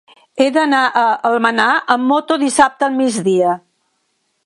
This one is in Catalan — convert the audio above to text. He d'anar a Almenar amb moto dissabte al migdia.